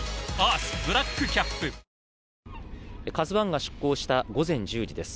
「ＫＡＺＵ１」が出港した午前１０時です。